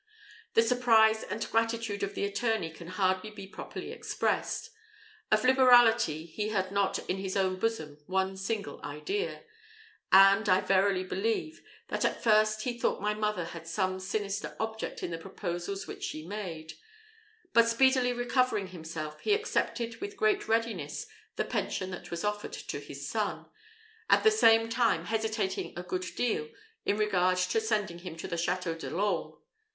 The surprise and gratitude of the attorney can hardly be properly expressed. Of liberality he had not in his own bosom one single idea; and, I verily believe, that at first he thought my mother had some sinister object in the proposals which she made; but speedily recovering himself, he accepted with great readiness the pension that was offered to his son; at the same time hesitating a good deal in regard to sending him to the Château de l'Orme.